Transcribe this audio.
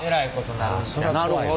なるほど。